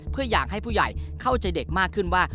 เพื่ออยากให้ผู้ใหญ่เข้าใจเด็กมากขึ้นว่า